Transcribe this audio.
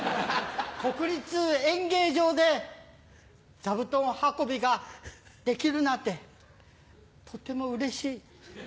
国立演芸場で座布団運びができるなんてとてもうれしい。